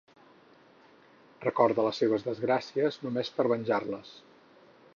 Recordava les seves desgràcies només per venjar-les.